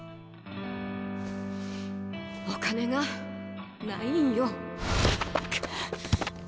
お金がないんよ。